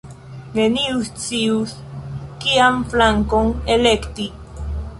Neniu scius kian flankon elekti.